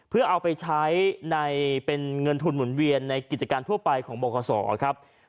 เพื่อเอาไปใช้ในเป็นเงินทุนหมุนเวียนในกิจการทั่วไปของบคศครับ